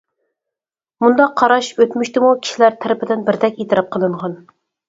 مۇنداق قاراش ئۆتمۈشتىمۇ كىشىلەر تەرىپىدىن بىردەك ئېتىراپ قىلىنغان.